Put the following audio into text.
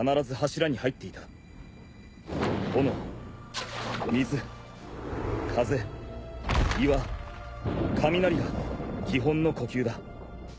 「炎」「水」「風」「岩」「雷」が基本の呼吸だ。